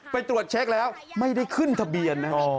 ไปตรวจเช็คแล้วไม่ได้ขึ้นทะเบียนนะ